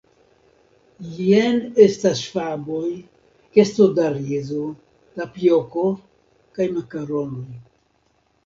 Jen estas faboj, kesto da rizo, tapioko kaj makaronoj.